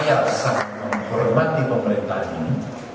tapi saya sangat menghormati pemerintahan ini